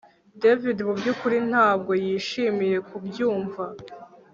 David mubyukuri ntabwo yishimiye kubyumva